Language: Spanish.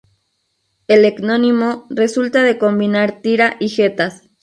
El etnónimo resulta de combinar "Tira" y "Getas".